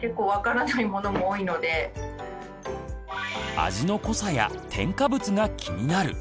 味の濃さや添加物が気になる！